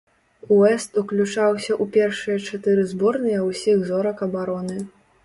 Уэст уключаўся ў першыя чатыры зборныя ўсіх зорак абароны.